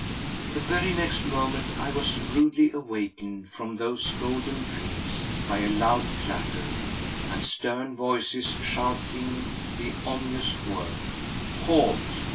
The very next moment I was rudely awakened from those golden dreams by a loud clatter, and stern voices shouting the ominous word, "Halt!"